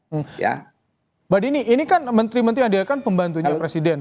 mbak dini ini kan menteri menteri yang dia kan pembantunya presiden